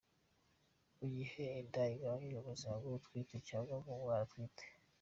Mu gihe inda ibangamiye ubuzima bw’utwite cyangwa ubw’umwana atwite